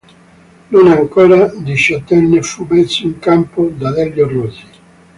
Non ancora diciottenne, fu messo in campo da Delio Rossi.